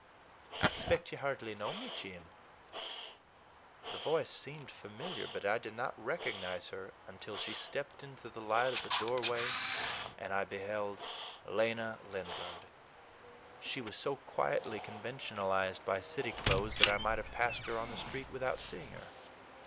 "I expect you hardly know me, Jim." The voice seemed familiar, but I did not recognize her until she stepped into the light of my doorway and I beheld—Lena Lingard! She was so quietly conventionalized by city clothes that I might have passed her on the street without seeing her.